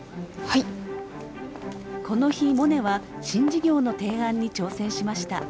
この日モネは新事業の提案に挑戦しました。